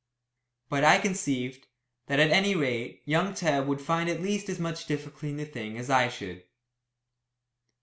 But I conceived, that at any rate, young Tebb would find at least as much difficulty in the thing as I should.